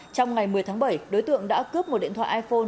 trong ngày một mươi tháng bảy đối tượng đã cướp một điện thoại iphone